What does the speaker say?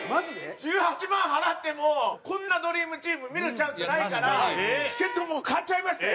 １８万払ってもうこんなドリームチーム見るチャンスないからチケットもう買っちゃいましたよ！